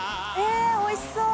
舛おいしそう！